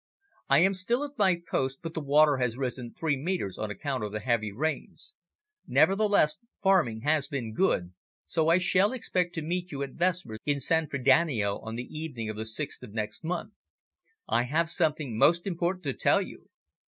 "I am still at my post, but the water has risen three metres on account of the heavy rains. Nevertheless, farming has been good, so I shall expect to meet you at vespers in San Frediano on the evening of the 6th of next month. I have something most important to tell you.